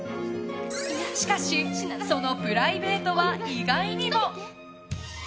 しかしそのプライベートは意外にも。